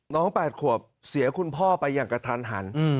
๘ขวบเสียคุณพ่อไปอย่างกระทันหัน